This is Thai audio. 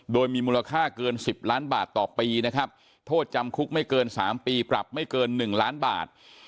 โดยมีมูลค่าเกิน๑๐ล้านบาทต่อปีนะครับโทษจำคุกไม่เกิน๓ปีปรับไม่เกิน๑ล้านบาท